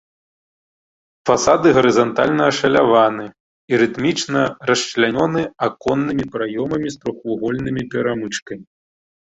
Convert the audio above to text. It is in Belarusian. Фасады гарызантальна ашаляваны і рытмічна расчлянёны аконнымі праёмамі з трохвугольнымі перамычкамі.